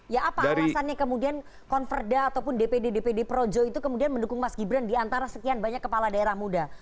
ya apa alasannya kemudian konverda ataupun dpd dpd projo itu kemudian mendukung mas gibran di antara sekian banyak kepala daerah muda